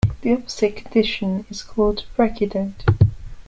The opposite condition is called brachydont.